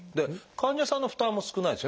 患者さんの負担も少ないですよね